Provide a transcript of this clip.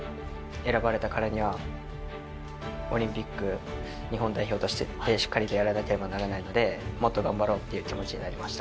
選ばれたからにはオリンピック日本代表としてしっかりとやらなければならないのでもっと頑張ろうって気持ちになりました。